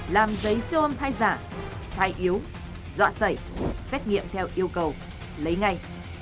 làm giấy siêu âm thai giả thai yếu dọa sẩy xét nghiệm theo yêu cầu lấy ngay